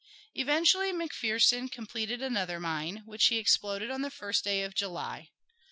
Eventually McPherson completed another mine, which he exploded on the first day of July.